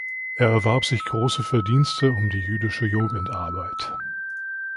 Er erwarb sich große Verdienste um die jüdische Jugendarbeit.